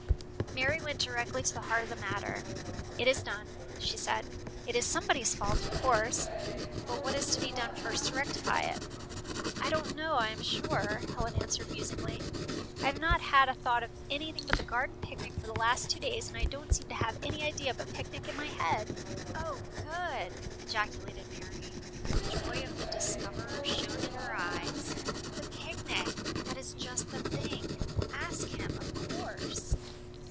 Mary went directly to the heart of the matter. "It is done," she said. "It is somebody's fault, of course, but what is to be done first to rectify it?" "I don't know, I am sure," Helen answered, musingly. "I have not had a thought of anything but the garden picnic for the last two days, and I don't seem to have any idea but picnic in my head." "O, good!" ejaculated Mary. The joy of the discoverer shone in her eyes. "The picnic! That is just the thing. Ask him, of course."